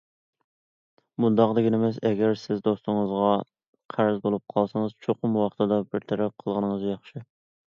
بۇنداق دېگىنىمىز ئەگەر سىز دوستىڭىزغا قەرز بولۇپ قالسىڭىز، چوقۇم ۋاقتىدا بىر تەرەپ قىلغىنىڭىز ياخشى.